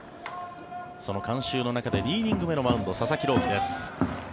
その観衆の中で２イニング目のマウンド佐々木朗希です。